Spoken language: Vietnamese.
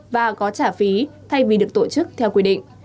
và có trả phí thay vì được tổ chức theo quy định